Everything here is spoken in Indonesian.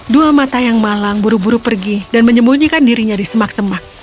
dua mata yang malang buru buru pergi dan menyembunyikan dirinya di semak semak